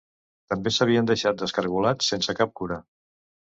També s'havien deixat descargolats sense cap cura.